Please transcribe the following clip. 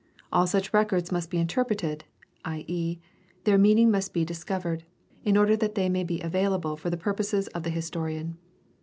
All such records must be interpreted, i.e., their meaning must be discovered, in order that they may be avail able for the purposes of the historian.